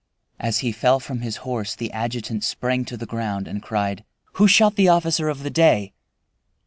As he fell from his horse the adjutant sprang to the ground and cried, "Who shot the officer of the day?"